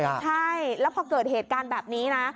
ใช่แล้วพอเกิดเหตุการณ์แบบนี้นะ